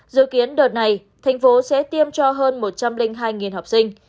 dự kiến đợt này thành phố sẽ tiêm cho hơn một trăm linh hai học sinh